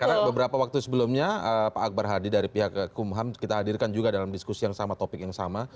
karena beberapa waktu sebelumnya pak akbar hadi dari pihak kumham kita hadirkan juga dalam diskusi yang sama topik yang sama